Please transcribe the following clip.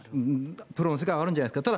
プロの世界はあるんじゃないですか。